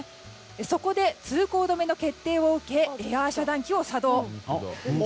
そこで通行止めの決定を受けエアー遮断機を作動。